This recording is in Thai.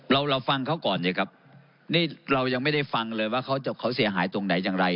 เราเราฟังเขาก่อนสิครับนี่เรายังไม่ได้ฟังเลยว่าเขาเสียหายตรงไหนอย่างไร